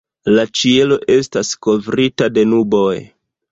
La ĉielo estas kovrita de nuboj.